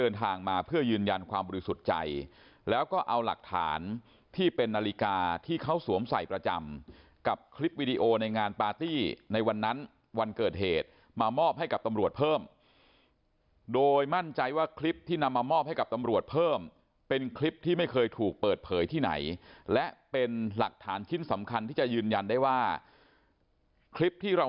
มาเพื่อยืนยันความบริสุทธิ์ใจแล้วก็เอาหลักฐานที่เป็นนาฬิกาที่เขาสวมใส่ประจำกับคลิปวิดีโอในงานปาร์ตี้ในวันนั้นวันเกิดเหตุมามอบให้กับตำรวจเพิ่มโดยมั่นใจว่าคลิปที่นำมามอบให้กับตำรวจเพิ่มเป็นคลิปที่ไม่เคยถูกเปิดเผยที่ไหนและเป็นหลักฐานชิ้นสำคัญที่จะยืนยันได้ว่าคลิปที่เรา